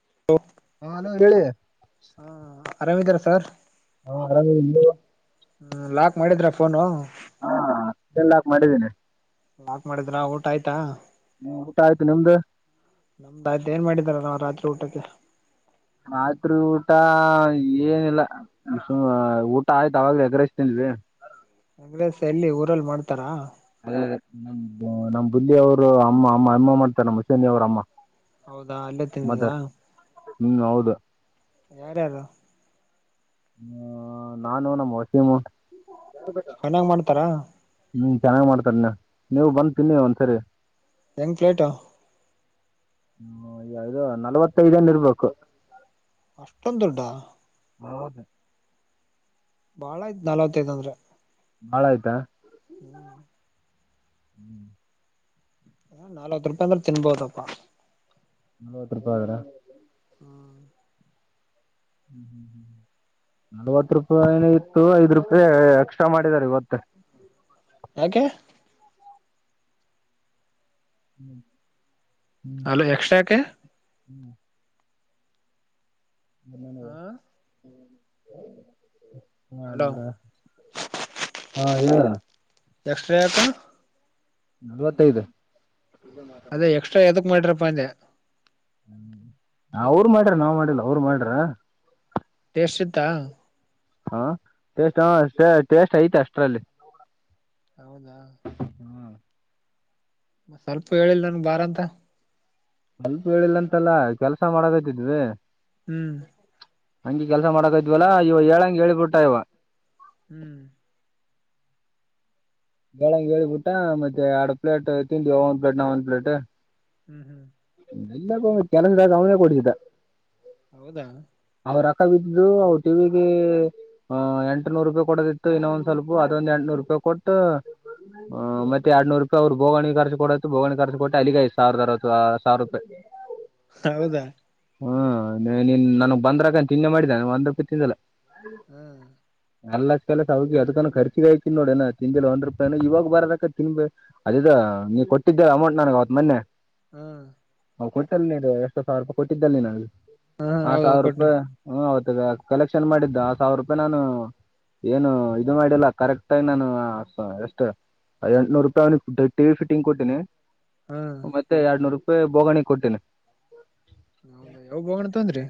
ಹ ಹಾ ಅಲೋ ಹೇಳಿ ಹಾ ಆರಾಮ್ ಇದೀರಾ ಸರ್ ಹಾ ಆರಾಮ್ ಇದೀವಿ ಹೂ ಲಾಕ್ ಮಾಡಿದ್ರ ಫೋನು ಹಾ ಎಲ್ಲಾಕ ಮಾಡಿದ್ದೀನಿ ಲಾಕ್ ಮಾಡಿದ್ರ ಊಟ ಆಯ್ತಾ ಊಟ ಆಯ್ತು ನಿಮ್ದು ನಮ್ದಾಯ್ದ ಏನ್ ಮಾಡಿದಾರ ನಾ ರಾತ್ರಿ ಊಟಕ್ಕೆ ರಾತ್ರಿ ಊಟ ಏನಿಲ್ಲ ಊಟ ಆಯ್ತು ಅವಾಗ ಎಗ್ರಸ್ತೇನ್ ಬೇ ಎಗ್ರಿಸ್ ಎಲ್ಲಿ ಊರಲ್ಲಿ ಮಾಡ್ತಾರಾ ನಮ್ಮ್ ಬುಲ್ಲಿಿಯ ಅವರು ಅಮ್ಮ ಅಮ್ಮ ಅಮ್ಮ ಮಾಡ್ತಾರ ನಮ್ಮಸನಿ ಅವರ ಅಮ್ಮ ಹೌದಾ ಅಲ್ಲೇ ತಿದಿದಾ ಹೂ ಹೌದು ಯಾರ್ಯಾರು ಹೂ ನಾನು ನಮ್ಮ ವಸೀಮು ಚನ್ನಾಗ್ ಮಾಡ್ತಾರ ಹ್ಮ್ ಚೆನ್ನಾಗ್ ಮಾಡ್ತಾರೆನ ನೀವು ಬಂದ ತಿನ್ನಿ ಒಂದ್ಸರಿ ಹೆಂಗ್ ಪ್ಲೇಟಾ ಹೂ ನಲವತ್ತೈದನ್ ಇರ್ಬೇಕು ಅಷ್ಟಂದು ದುಡ್ಡಾ ಹೌದು ಬಾಳ ಆಯ್ತ್ ನಲ್ವತ್ತೈದ್ ಅಂದ್ರೆ ಬಾಳ ಆಯ್ತಾ ಹೂ ಹೂ ನಾಲ್ವತ್ ರೂಪಾಯಿ ಅಂದ್ರೆ ತಿನ್ಬೋದಪ್ಪಾ ನಲ್ವತ್ತು ರೂಪಾಯಿ ಆದ್ರೆ ಹ್ಮ್ ಹೂ ಹೂ ಹೂ ನಲ್ವತ್ ರೂಪಾಯ ಏನ ಇತ್ತು ಐದ್ ರೂಪಾಯಿ ಎಕ್ಸ್ಟ್ರಾ ಮಾಡಿದ್ದಾರೆ ಇವತ್ತು ಯಾಕೆ ಹೂ ಅಲ ಎಕ್ಸ್ಟ್ರಾಕ ಹೂ ಹೂ ಹ ಹಲೋ ಹನ್ಡ ಹಾ ಹೇಳ ಎಕ್ಸ್ಟ್ರಾ ಯಾಕ ನಲ್ವತ್ತೈದು ಅದೇ ಎಕ್ಸ್ಟ್ರಾ ಎದಕ್ ಮಾಡ್ರಪ್ಪ ಅಂದೆ ಹೂ ಅವರು ಮಾಡ್ಯಾರ ನಾವ್ ಮಾಡಿಲ್ಲ ಅವರು ಮಾಡ್ಯಾರ ಟೆಸ್ಟ್ ಐತ ಹಾ ಟಸ್ ಹ ಟೇಸ್ಟ್ ಐತೆ ಅಷ್ಟರಲ್ಲಿ ಹೌದಾ ಮ ಸ್ವಲ್ಪ ಹೇಳಿಲ್ಲ ನನ್ ಬಾರ ಅಂತ ಸ್ವಲ್ಪ ಹೇಳಿಲ್ಲಂತಲ್ಲ ಕೆಲ್ಸ ಮಾಡದತಿದ್ವಿ ಹೂ ಹಂಗಿ ಕೆಲ್ಸ ಮಾಡಕ ಇದ್ವಲ್ಲಾ ಇವ ಏಂಗೆ ಹೇಳೇಳ್ಬಿಟ್ಟ ಇವ ಹಹೂ ಬೆಳಂಗೆ ಹೇಳಿಬಿಟ್ಟ ಮತ್ತೆ ಎರಡು ಪ್ಲೇಟ್ ತಿಿಂದಿವ ಒಂದ್ ಪ್ಲೇಟ್ ನ ಒಂದ್ ಪ್ಲೇಟ್ [inaudible] ಲ್ಲ ಕೆಲಂದಾಗ ಅವನೇ ಕೊಡತಿದ್ದ ಹೌದಾ ಅವ್ರ ರೊಕಾಬಿದ್ದು ಅವ್ರ ಟಿವಿಿಗೆ್ ಎಂಟುನೂರು ರೂಪಾಯಿ ಕೊಡದಿತ್ತು ಇನ್ನೊ ಒಂದ್ ಸ್ವಲ್ಪ ಅದೊಂದಂದು ಎಂಟುನೂರು ರೂಪಾಯಿ ಕೊಟ್ಟ ಹ್ಮ್ ಮತ್ತೆ ಎಡ್ನೂರು ರೂಪಾಯಿ ಅವ್ರು ಬೋಗವಿಖರ್ು ಕೊಡುತ್ತು ಬೋಗವಿಖರ್ಚು ಕೊಟ್ಟ ಅಲ್ಲಿಗೆ ಐದು ಸಾವಿರದ ಅವ ಸಾವರ ರೂಪಾಯಿ ಹೌದಾ ಹ್ಮನ್ ನನ್ಗ್ ಬಂದ್ರಕ ತಿನ್ನೆ ಮಾಡಿದ್ದ ಒಂದ ರುಪ್ಯ ತಿಂದಲ್ಲ ಹ್ಮ್ ಅಲ್ಲ ಕೆಲಸ ಅವಿ ಅದಕ ಖರ್ಚಿಗ ಯತಿನ್ ನೋಡಏ ತಿಿಂದಿಿಲ್ಲ ಒಂದ್ ರೂಪಾಯ ಇವಾಗ ಬರದಕ ತಿನ್ ಅದ ಹ ನೀವು ಕೊಟ್ಟಿದ್ದರ ಅಮೌಂಟ್ ನನಗ್ ಅವತ್ ಮೊನ್ನೆ ಹ್ಮ್ ಹ ಕೊಟ್ಟಲ್ಲಿ ನೀವು ಎಷ್ಟುಾವಿ ರೂಪಾಯಿ ಕೊಟ್ಟಿದ್ದಲ್ಲಿ ನೀನ ಹಾ ಹೌದೌದು ಕೊಡ್ನೆ ಹ್ಮ್ ಹೌತದ ಕಲೆಕ್ಷನ್ ಮಾಡಿದ್ದ ಸಾವಿರ ರೂಪಾಯಿ ನಾನು ಏನು ಇದು ಮಾಡಿಲ್ಲ ಕರೆಕ್ಟ ಆಾಗಿಿ ನಾನು ಎಷ್ಟು ಎಂಟ್ನೂರು ರೂಪಾಯಿ್ ಟಿಗಿಟ ಫೈಟಿಂಗ್ ಕೊಟ್ಟತಿನಿ ಹಾ ಮತ್ತೆ ಎರಡ್ನೂರು ರೂಪಾಯಿ ಬೋಗಣಿ ಕೊಟ್ಟೇಿನ ಹೌದಾ ಯಾವ ಬೋಗಣ ತಂದ್ರಿ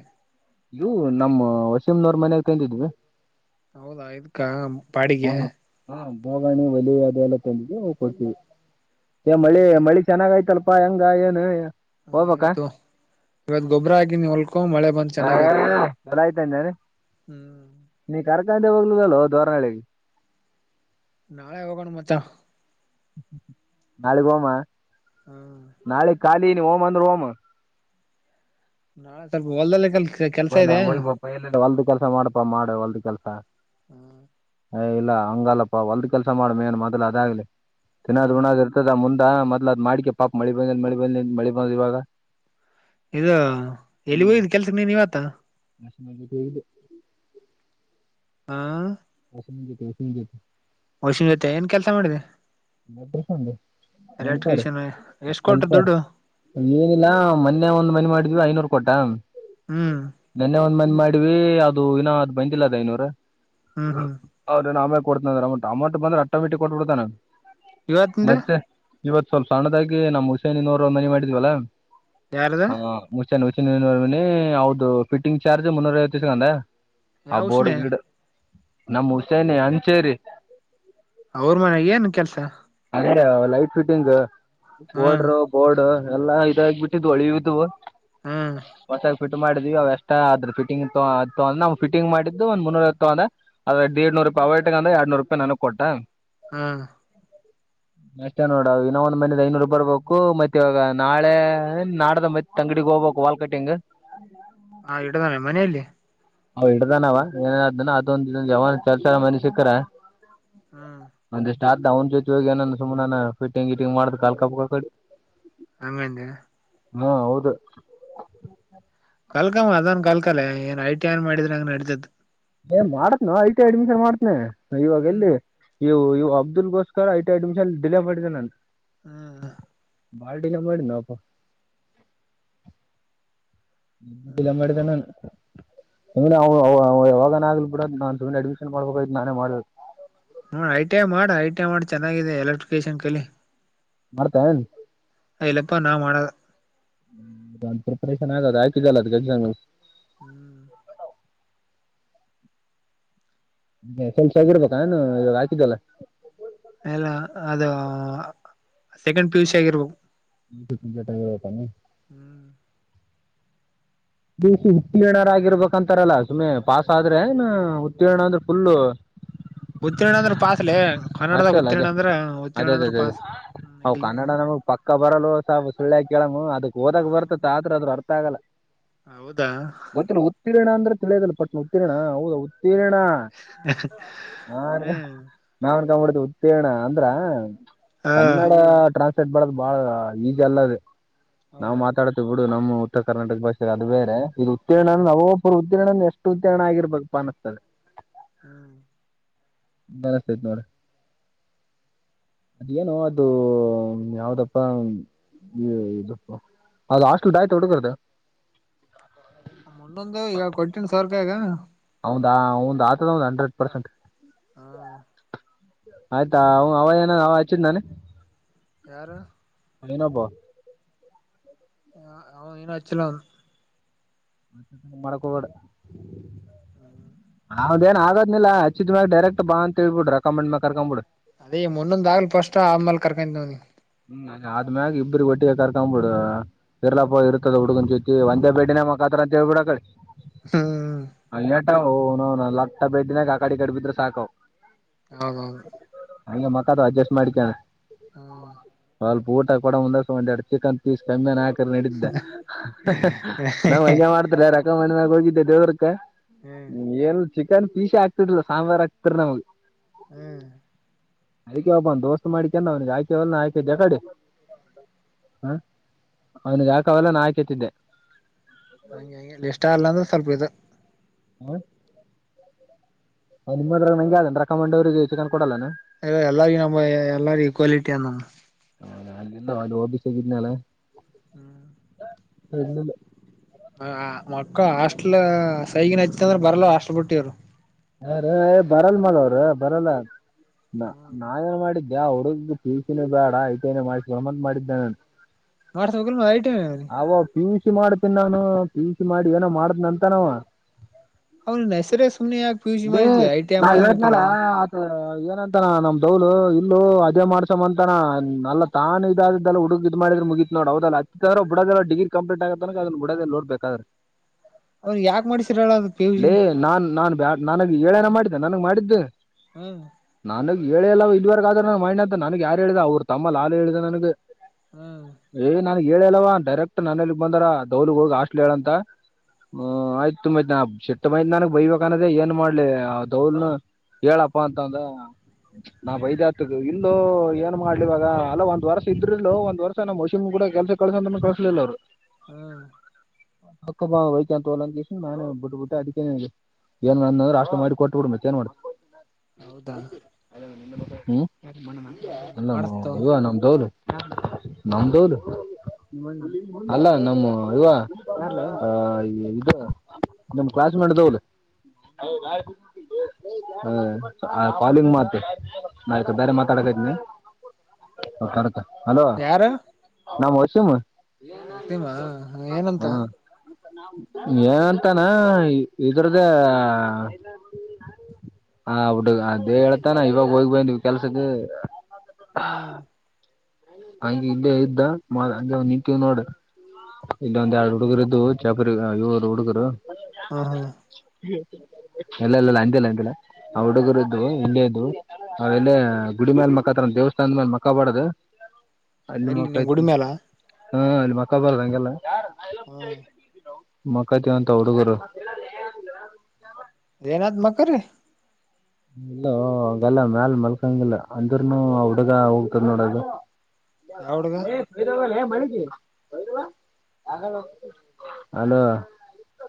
ಇವು ನಮ್ಮ ವಸಿಂನವರ್ ಮನಾಗ ಕಂದಿದ್ವಿ ಹೌದಾ ಇದ್ಕ್ಕ ಬಾಡಿಗೆ ಹೋಗಣಿ ಒಲೆ ಅದೆಲ್ಲ ತಂಬು ಕೊಡ್ತೀವಿ ಮಳೆ ಹೌದಾ ಮಳಿ ಚೆನ್ನಾಗ ಆಯ್ತಲ್ ಪಾ ಹೆಂಗ ಏನ ಹಾ ಇವತ್ತು ಇವತ್ ಗೊಬ್ಬರ ಆಗಿನಿ ಹೊಲ್ಕೋ ಮಳೆ ಬಂದ್ ಚೆನ್ನಾಗೈತ್ ಎಲ್ಲ ಆಯ್ತಾರೀ ಹ್ಮ್ ಜಾರ್ಖಾಂದೆ ಹೋಗ್ಲುದಲ್ವ ದೋರಹಳ್ಳೆಗೆ ನಾಳೆ ಹೋಗಣ ಮಚಾ ನಲಿಗ್ ಹೋಗಮ ಹ ನಾಳೆ ಖಾಲಿ ನೀ ಓಮ್ ಅಂದ್ರೆ ಓಮ ನಾ ಸ್ವಲ್ಪ ಒಳಲ ಯಾಕ ಅಲಾ ಕ ಹಲ್ಲಾ ಹಯ್ಬಪ ಎಲ್ಲಿಿಲ್ಲ ಹೊಲ್ದ ಕೆಲ್ಸ ಮಾಡಪಾ ಮಾಡ ಹೊಲ್ದ ಕೆಲ್ಸ [inaudible] ಯ ಇಲ್ಲ ಹಂಗಲ್ಲಪ್ಪಾ ಹೊಲ್ದ ಕೆಲ್ಸ ಮಾಡ್ಮೇನ್ ಮೊದ್ಲ ಅದಾಗ್ಲಿ ತಿನ್ನದ್ ಗುಣದ್ ಇರ್ತದ ಮುಂದೆ ಮೊ್ಲ ಅದ್ ಮಾಡಿಕಕ ಪಾ ಮಳಿ ಬಂದ ಮಳಿ ಬಂದ ಮಳಿ ಬಂದ್ ಇವಾಗ ಇದ ಎಲ್ಲಿ ಹೋಯ್ದು ಕೆಲ್ಸ ನೀನ್ ಇವತ್ತ ಡೈಲಿ ಹಾ [unintelligible] ವಷಿನ ಜೊತೆ ಏನ್ ಕೆಲ್ಸ ಮಾಡಿದೆಿ ನ ಪ್ರಸಂದು ಹೆಲ್ಪರ್ ಎಲೆಕ್ಟ್ರಿಷಿಯನ್ ಎಷ್ಟ್ ಕೊಟ್ರ ಹೆಲ್ಪರ್ ದುಡ್ಡು ಏನಿಲ್ಲಾ ಮೊನ್ನೆ ಒಂದ್ ಮನೆ ಮಾಡಿದ್ವಿ ಐನೂರು ಕೋಟ ಹ್ಮ್ ಮಾಡವಿ ಅದು ಇನ ಅ ಬಂದಿಲ್ಲ ಅದ ಐ ನೂರ ಹ್ಮ್ ಹ್ಮ್ ಅವ್ರ ಯೆನ್ ಆಮ್ಯಾಲ ಕೊಡ್ತ ಅಮೌಟ್ ಬಂದೆ ಆಟೋಮೇಟಿಕ್ ಕೊಟಬೀಡತಾನ್ ಇವತಿಂದು ಇವತ್ ಸ್ವಲ್ಪ ಸಣ್ಣದಾಗಿ ನಮ್ಮ್ ಹುಷೇನಿನವರು ಒ ಮನೆ ಮಾಡಿದ್ವಲ್ಲಾ ಯಾರದ ಹ ಿನಿ ಹೌದು ಫಿಟಿಂಗ್ ಚಾರ್ಜ್ ಮುನ್ನೂರೈಐ ತಸ್ಕಂದ ಆ ಯಾವ ಬೋಡ್ ಉಷಿನಿ ಗಿಡ ನಮ್ಮ ಹುಸೇನ ಅಂಚೇರಿ ಅವ್ರ ಮನೆ ಏನ್ ಕೆಲ್ಸ ಲೈಟ್ ಫಿಟ್ಟಿಂಗ್ ಹ್ಮ್ ವಓಡರು ಬೋರ್ಡ್ ಎಲ್ಲಾ ಇದಾಗ ಬಿಟ್ಟಿದವು ಹಳಿವಿದವು ಹಾ ಫಿಟ್ ಮಾಡಿದ್ವಿ ಅವ ಎಷ್ಟ ಅ್ರ ಫಿಂಗ್ಂದ್ರ ನಾ ಫಿಂಗ್ ಮಾಡಿದ್ದು ಒಂದ ಮುನ್ನೂರತ್ತುಂದ್ರ ಅ್ರಡ್ನೂ ನಾವಯಟಗ ಅ್ರ ಎರಡುನೂ ರೂಪಾಯಿ ನನು ಕೊಟ್ಟೆ ಹಾ ಅಷ್ಟೇ ನೋಡ ಇನ್ನ ಒಂದ್ ಮನದ ಐನೂರು ಬರ್ಬೇಕು ಮತ್ತತ್ ಇವಾಗ ನಾಳೆ ನಾಡದ ಮತ್ತೆ ತಂಗಡಿಗೆ ಹೋಗಬ ವಾ ಕಟ್ಟಿ್ ಹ ಇಡ ನೆ ಮನೆಯಲ್ಲೇ ಅವ್ ಹಿಡ್ದಾನ ಅವ ಏನೇನಾದ ಅದೊಂದ ಇದ ಯಾವ ಕೆಲಸಲ ಮನೆ ಸಿಕ್ಕರ ಹಾ ಸ ಅವ್ ಜೊತೆ ಹೋಗ ಏನಾನ ಸುಮ ನಾನ ಫಿಂಗ್ ಇಟ್ಟಿಂಗ್ ಮಾಡ್ದ್ ಕಾ ಕಾಪ ಕಡಿ ಹಂಗಂದ ಹ್ಮ ಹೌದು ಕಲ್ಕಮ್ಮ ಅದನ್ ಕಲ್ಕಲ್ಲೇ ಏನ್ ಐ ಟಿ ಏನ್ ಮಾಡಿದ್ರೆ ಹಂಗ ನಡತದ್ ಏ ಮಾಡತ್ನ ಐ ಟಿಐ ಅಡ್ಮಿಷನ್ ಮಾಡ್ತ್ನೆ ಇವಾಗ ಹ್ಮ್ ಎಲ್ಲಿ ನೀ ಅಬ್ದುಲ್ ಗೋಸ್ಕರ ಐ ಎಡ್ಮಮಶನ್ಲ್ಲೇ ಪಡ್ದೆ ನಂತ ಹ್ಮ್ ಬಾಲ್ಟಿನ ಮಾಡಡ ನ ಅಪ್ಪ ನಿ ಹ್ಮ್ ಬಿಲಂಗಡಿಿದ್ದ ನೋಡ್ ನಾನ ಯಾವಾಗನ ಆಗ್ಲಿ ಬಿಡ ನಾನ್ ಸುಮ್ಮ್ನೆ ಅಡ್ಮಿಷನ್ ಮಾಡ್ಬೇಕಯ್ತು ನಾನೇ ಮಾಡ ನೋಡ ಐ ಟಿ ಐ ಮಾಡ ಐ ಟಿ ಐ ಮಾಡಿ ಚೆನ್ನಾಗಿದೆ ಎಲೆಕ್ಟ್ರಿಕೇಶನ್ ಕಲಿ ಮಾಡ್ತೇನ್ ಅಯಲ್ಲಪ್ಪ ನಾ ಮಾಡ ಪ್ರಿಪರೇಷನ್ ಆಗೋ ಹ ಆಾಕಿದ ಜಲ್ಲ ಅದು ಎಕ್ಸಾಮ್ ಹ್ಮ್ ಸ್ವಲ್ಪ ಹಗಿಡ್ಬೇಕ ನಾನು ಇವಾಗ ಹಾಕಿದ್ದಲ್ಲ ಎಲ್ಲ ಅದು ಸೆಕೆಂಡ್ ಪಿಯುಷ್ ಆಗಿರ್ಬೇಕು ಮ ತು ಟೈಗಡೆ ಹತಾನ ಹ್ಮ್ ದಿವಸ ಉತ್ತೀರ್ಣರಾಗಿರ್ಬೇಕಂತಾರಲ್ಲ ಸುಮಮ್ಮನೆ ಪಸ್ ಆದ್ರೆ ಉತ್ತೀರ್ಣ ಅಂದ್ರೆ ಫುಲ್ ಉತ್ತೀರ್ಣ ಅಂದ್ರ ಪಾತ್ಲೆ ಕನ್ನಡದಾಗ ಅಷ್ಟೇ ಅಲ್ಲ ಅದೇ ಉತ್ತೀರ್ಣ ಅದೇ ಅದೇ ಅದೇ ಅದೇ ಹೌ ಕನ್ನಡ ಹ್ಮ ನಮಗೆ ಪಕ್ಕ ಬರಲು ಸಹ ಕೆಳಮು ಅದಕ್ ಹೋದಾಗ ಬರ್ತತ್ತತ್ ಆದ್ರ ಅ್ರ ಅರ್ಥ ಆಗಲ್ಲ ಹೌದಾ ಗೊತ್ತಿಲ್ಲ ಉತ್ತೀರ್ಣ ಅಂದ್ರೆ ತಿಳಿಯೋದಲ್ಲಿ ಪಟ್ ಉತ್ತೀರ್ಣ ಹೌದ ತೀರಣ ಹ ಹ್ಮ್ ಕಡುದು ಉತ್ತೀರ್ಣ ಅಂದ್ರ ಹ ಕನ್ನಡ ಟ್ರಾನ್ಸ್ ೆಟ್ ಬಡದು ಬಾಳ ಈಜಿ ಅಲ್ಲ ಅದೆ ನಾವು ಹೌದೌದು ಮಾತಾಡತಿೇ ಬಿಡು ನಮ್ಮ ಉತ್ತರ ಕರ್ನಾಟಕ ಭಾಷೆ ಅದು ಬೇರೆ ಇದು ಉತ್ತೀರ್ಣ ಹ್ಮ್ ನಾವೊಬ್ಬರು ಉತ್ತೀರ್ಣ ಎಷ್ಟು ಉತ್ತೀರ್ಣ ಆಗಿರ್ಬೇಕು ಪ ಅನಸ್ತದೆ ಹ್ಮ್ ನತು ಮಾರ [inaudible] ಅದೇನು ಅದು ಯಾವ್ದಪ್ಪ ಪ್ಪ ಅದ ಹಾಸ್ಟ್ಲ್ ಡಾಯತ್ ಹುಡುಗರ್ದ [inaudible] ಮೊನ್ನೊಂದು ಈಗ ಕೊಟ್ಟನ್ ಸರ್ಕಾಗ ಹೌದ್ ಆತದ ಒ ಹಂಡ್ರೆಡ್ ಪರ್ಸೆಂಟ್ ಹಾ ಆಯ್ತಾ ಅವ ಅವ ಏನ ಅವ ಹಚ್ಚಿದ್ ನಾನ ಯಾರು [unintelligible] ಹ ಅವನ್ ಏನ ಆಚಲಾ ಹಂಗ ಮಾಡಕ್ ಹೋಗ್ಬೇಡ ಅವದೇನ್ ಆಗದಲ್ಲ ಹಚ್ಚಿದ್ಯಾಗ ಡೈರೆಕ್ಟ್ ಬಾ ಅಂತೇಳ್ಬಿಡು ರಕಮೆಂಡ್ ಮ್ಯಾಗ್ ಕರ್ಕೊಂಬ ಬಿಡು ಅದೇ ಮುನ್ನೊಂದ ಆಗಲಿ ಪಸ್ಟ ಆಮೇಲ್ ಕರ್ಕೊಂತವನಿ ಹ್ಮ ಅ ಆದ್ಮ್ಯಾಗ ಇಬ್ಬಗ್ ಒಟ್ಟಿಗೆ ಕರ್ಕೊಬ ಬಿಡ್ ಇರ್ಲಾಪ್ಪ ಇರ್ತದ ಹುಡ್ಗನ್ ಜೊತಿ ಒಂದೇ ಬೇಡಿನೇ ಮ ದೇಗುಡ ಕಡೆ ಹ್ಮ್ ಹ್ ನ ನ ಲಕ್ಕ ಬೇಡ್ನಾಗ ಆಕಾಡಿ ಕಡಬಿದ್ರೆ ಸಾಕ್ ಹೌದೌದು ಹಂ ಮತ್ತಾಡ ಅಡ್ಜಸ್ಟ್ ಮಾಡಿಕೊ ಹ್ಮ ಬಾಳ ಪೂಊಟ ಕೂಂದಸ್ ಒಂದು ಚಿಕನ್ ಪಿಸ ಕಮ್ಮಿ ಹಾಕ ನಡಿದ್ದ ನಾವ್ ಹಂಗ ಹ್ಮ್ ಮಾಡ್ತ್ರ ರಕಮೆಂಡಮ್ಯಾಗ ಹೋಗಿದ್ದೆ ದೇವ್ರಕ್ಕ ಏನ್ ಚಿಕನ್ ಪೀಸೆ ಹಾಕುತ್ತಿರಲಿಲ್ಲ ಸಾಂಬಾರ್ ಹಾಕ್ತಾರ ನಮಗ್ ಹ್ಮ್ ಅದಕ್ಕೆ ಒಬ್ಬ ಒಂದ ದೋಸ್ತ್ ಮಾಡಿಕಂದ ಅವನಿಗೆ ಆಕೆಲ್ಲಾಕಿ ದ್ದೆ ಕಡೆ ಹ ಅವನಿಗೆ ಹಾಕವೇಲ್ಲ ನಾ ಹಾಕತಿದ್ದೆ ಹಂಗೆಗೆ ಇಷ್ಟ ಅಲ್ಲ ಅಂದ್ರೆ ಸ್ವಲ್ಪ ಇದ [unintelligible] ಹ ನಿಮ್ಮದ್ರಾಗ ನಂಗೆ ಯ ಅ್ರ ರಾಂಡ ಅವ್ರರಿಗೆ ಚಿಕನ್ ಕೊಡಲ್ಲಾನ ಲ್ಲ ಎಲ್ಲಾರಗ ನ ಎಲ್ಲಾರಗ ಈಕ್ವಾಲಿಟಿಯ ಅಂದಮ್ಮ ಹ ಅಲ್ಲಿ ಬಿಸ್ಗಿದ್ದನಲ ಹ್ಮ್ [unintelligible] ಮಕ್ಕಳ ಹಾಸ್ಟೆಲ್ನಲ್ಲಿ ಸೈಗಿನ ಹಚ್ಚಂದ್ರ ಬರ್ಲ್ಲ ಹಾಸ್ಟೆಲ್ನ ಬಿಟ್ಟವರು ಹಾರ ಏ ಬರಲ್ ಮ ಅವ್ರ ಬರಲ್ಲ ನಾವೇನ್ ಮಾಡಿದ್ದ ವ ಹುಡುಗ ಪೀಸಿನೇ ಬೇಡ ಐಟನ ಮಾಡಮ್ಮಂತತ್ ಮಾಡಿದ್ದ ನಾನು ವಾಸಪ್ ಗ ಮಾಡ ಐಟ ಅವಲ್ಲಿ ಅವ ಪಿ ಜಿ ಮಾಡ್ತೀನಿ ನಾನು ಪಿಜಿ ಮಾಡಿ ಏನೋ ಮಾಡತ್ತನ್ ಅಂತನಾವ ಅವ್ನ ಹೆಸರೇ ಸುಮ್ನೆ ಯಾಕೆ ಪಿ ಯು ಸಿ ಎ ಮಾಡಿದ್ಲಿ ಐ ಟಿ ಐ ನಾ ಮಾಡ್ಸ್ಬೇಕಿಲ್ಲ ಹೇಳಿದ್ನಲ್ಲ ಏನಂತಾನ ನಮ್ದವಲು ಇಲ್ಲೂ ಅದೇ ಮಾಡ್ಸಮ್ಮ ಅಂತನ ನಲ್ಲ ತಾನ ಇದಾದ್ದಲ್ಲ ಹುಡುಗ ಇದ್ ಮಾಡ್ರೆ ಮುಗಿತತ್ ನೋಡ್ ಹೌದಲ್ಲತ್ತ ಬುಡೋ ಡಿರಿ ಕಂಪ್ಲಟ್ ಆಗತ್ತನ ಅದನ್ನ ಬುಡದಿಲ್ ನೋಡ್ಬೇಕಾದ್ರೆ ಅವ್ನಿಗೆ ಯಾಕೆ ಮಾಡಿಸಿರಲ್ಲ ಅದು ಪಿ ಯು ಸಿ ಲೇ ನಾನ್ ನಾನ್ ಬ ನನಗೆ ಏನ ಹೇಳರೇ ಮಾಡಿದ್ದೆನ್ ನನಗ್ ಮಾಡಿದ್ದು ಹ್ಮ ಹೇಳೆಲ್ಲ ಇದುವರೆಗೆ ಆದ್ರೆ ನನ್ ಮೈಂಡ್ ಅಂತ ನನ್ಗ್ ಯಾರ ಹೇಳಿದೆ ಅವರು ತಮ್ಮ ಲಾಲ್ ಹೇಳಿದೆ ನನಗ ಹ್ಮ್ ಹೇಳ ಅಲ್ವ ಡೈರೆಕ್ಟ್ ನಾನಲ್ಲಿಗ್ ಬಂದರ ದೌಲಗ್ ಹೋಗಿ ಹಾಸ್ಟೆಲ್ಲಿನ ಹೇಳಂತ ಹ್ಮ್ ಆಯ್ತುಂಬ್ತ್ ಸಿಟ್ಟ ಬಂದಿತ್ತ ನನಗ್ ಬೈಬೇಕ ಅಂತ್ ಏನ್ ಮಾಡ್ಲಿ ದೌವಲ್ನ ಹೇಳಪ್ಪಾ ಅಂತ ಅಂದ ನಾ ಬೈದ್ ಆತಗ ಇಲ್ಲೊ ಏನ್ ಮಾಡ್ಲಿಇವಾಗ ಅಲ್ಲ ಒಂದ್ ವರ್ಷ ಇದ್ರಿಲ್ಲೋ ಒಂದ್ ವರ್ಷ ನಮ್ಮ್ ಮೋಸಿಮ ಕೂಡ ಕೆಲಸ ಕಳಸ ಅಂದ್ರ ಕಳಸಲಿಲ್ಲ ಅವರು ಹ್ಮ ಅಕ್ಕಪ್ಪ ವೈಕಂತ ತೋಲಂಗ ನಾನೇ ಬಿಟ್ಟ ಬಿಟ್ಟು ಅಡಿಕೇನೆ ಇ ಏನ್ ಅಂದಂದ್ರ ಅಷ್ಟ ಮಾಡಿ ಕೊಟ್ಬ ಬಿಡ ಮತ್ತ ಏನ್ ಮಾಡತ ಹೌದಾ ಹ್ಮ್ ಹ ಮಾಡಸ್ತು ಇವ ನಮ್ ದೌಲ್ ನಮ್ ದೌಲ್ ಅಲ್ಲ ನಮ್ಮ ಇವ ಇದು ನಮ ಕ್ಲಾಸ್ ಮೇಟ್ ದೌಲ್ ಹಾ ಕಾಲಿಂಗ್ ಮಾತ್ತ ನಾ ಇಕ್ಕಡಿ ಬೇರೆ ಮಾತಾಡಕತ್ನಿ ಅಲೋ ಯಾರು ನಾಮ ವಸಮ ವಸೀಮಾ ಏನಂತ ಹಾ ಏಂತಾನ ಇದ್ರ್ದ ಹ ಹಡು ಅದೇ ಹೇಳ್ತಾನ ಇವಾಗ ಹೋಗ್ ಬಂದವಿ ಕೆಲ್ಸದ ಹ್ಮ್ ಹ ಇೇ ಇದ್ದ ಅ ನಿಂತವ್ ನೋಡ ಇಲ್ಲೊಂದ ಎರಡು ಹುಡುಗರು ಇದ್ದು ಚಾಪುರಿ ಇವರು ಹುಡುಗರು ಹಾ ಹಾ ಎಲ್ಲ ಎಲ್ಲೆಲ್ಲ ಅಂದಿಲ್ಲ ಅಂದಿಲ್ಲ ಆ್ ಹುಡುಗರು್ದು ಇಲ್ಲೆ ಇದ್ದು ಅವೆಲ್ಲ ಗುಡಿಮ್ಯಾಲ ಮಕ್ಕತ್ರ ದೇವ ಅಂದ ಮೇಲೆ ಮಕ್ಕಾ ಬಡದು ಎಲ್ಲಿ ನಿಮ್ ಗುಡಿಮೆ ಅಲ ಹಾ ಅಲ್ಲಿ ಮಕ್ಕ ಬರದ ಹಂಗೆಲ್ಲ ಹಾ ಮಕ್ಕತಿವಂತ ಹುಡುಗರು ಇನಾತ್ ಮಕೇ ಇಲ್ಲಗಲ್ಲ ಮ್ಯಾಲ ಮಲ್ಕಂಗಿಲ್ಲ ಅಂದ್ರನು ಹುಡುಗ ಹೋಗ್ತದ ನೋಡದು ಯಾವ ಹುಡ್ಗ ಸದ ಅಲೋ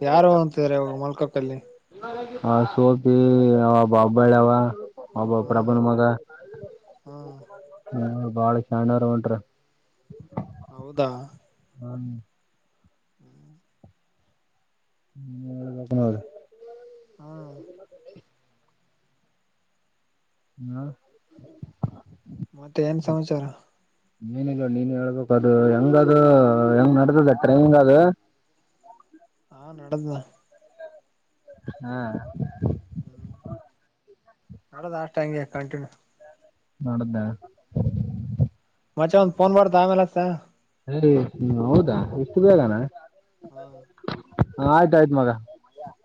ಯಾರು ಅಂತ್ರ ಇಾಗ ಮಲ್ಕಕ್ಕಲ್ಲಿ ಆ ಸೋತಿ ಒಬ್ಬ ಹಬ್ಬಳ್ಳಾವ ಒಬ್ಬಬ ಹ್ಮ್ ಪ್ರಭನ್ ಮಗ ಹ್ಮ್ ಹ್ಮ ಬಾಳ ಶಣಾರ ಉಂಟ್ರ ಹೌದಾ ಹ್ಮ ಹ್ಮ್ ಹೇಳ್ಬೇಕ್ ಸರಿ ನೋಡ್ ಹ್ಮ್ ಹ್ಮ ಮತ್ತೆ ಏನ್ ಸಮಾಚಾರ ನೀನ್ಲ್ಲ ನೀನ್ ಹೇಳ್ಬೇಕ ಅದು ಹೆಂಗದು ಹೆಂಗ್ ನಡ್ದದ ಟ್ರೈನಿಂಗ್ ಅದು ಹಾ ನದ ಹಾ ಹ್ಮ್ ನಡದ ಅಷ್ಟ ಹಂಗೆ ಕಂಟಿನ್ಯೂ ನೋಡ್ದೆ ಮಚೆ ಒಂದ್ ಫೋನ್ ಮಾಡ್ದ ಆಮೇಲೆಸ ನೀ ಹೌದಾ ಇಷ್ಟು ಬೇಗಾನ ಹ್ಮ್ ಹ್ಮ್ ಆಯ್ತಾಯಯ್ತು ಮಗ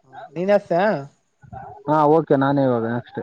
ಹ ನೀನಸೆ ಹಾ ಓಕೆ ನಾನೇ ಇವಾಗ ನೆಕ್ಸ್ಟ್